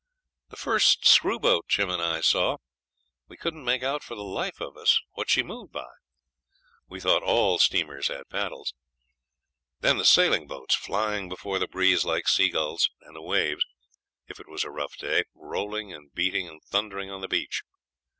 The first screw boat Jim and I saw we couldn't make out for the life of us what she moved by. We thought all steamers had paddles. Then the sailing boats, flying before the breeze like seagulls, and the waves, if it was a rough day, rolling and beating and thundering on the beach.